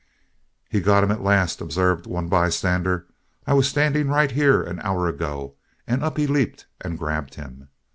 "He got him at last," observed one bystander. "I was standing right here an hour ago, and up he leaped and grabbed him.